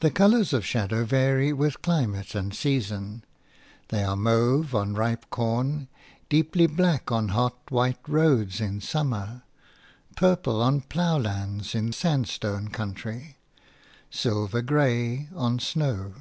The colours of shadows vary with climate and season; they are mauve on ripe corn, deeply black on hot, white roads in summer, purple on ploughlands in sandstone country, silver grey on snow.